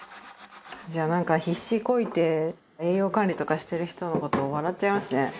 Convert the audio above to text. じゃあ、なんか、必死こいて栄養管理とかしてる人の事笑っちゃいますね。